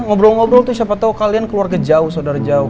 ngobrol ngobrol tuh siapa tau kalian keluarga jauh saudara jauh